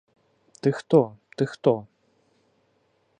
Ты хто, ты хто?